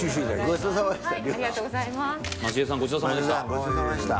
ごちそうさまでした。